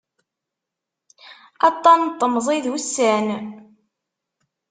Aṭṭan n temẓi d ussan.